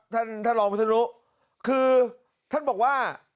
ท่านรองคุณรู้คือท่านบอกว่า